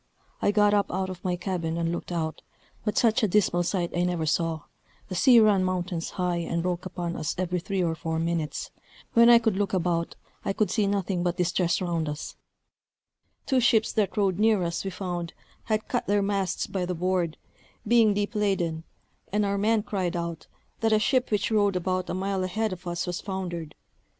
I got up out of my cabin and looked out; but such a dismal sight I never saw: the sea ran mountains high, and broke upon us every three or four minutes; when I could look about, I could see nothing but distress round us; two ships that rode near us, we found, had cut their masts by the board, being deep laden; and our men cried out, that a ship which rode about a mile ahead of us was foundered.